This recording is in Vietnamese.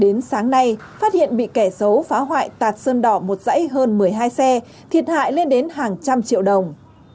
đến sáng nay phát hiện bị kẻ xấu phá hoại tạt sơn đỏ một dãy hơn một mươi hai xe thiệt hại lên đến hàng trăm triệu đồng